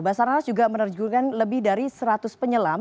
basarnas juga menerjunkan lebih dari seratus penyelam